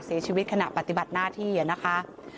เสียชีวิตขณะปฏิบัติหน้าที่นะคะ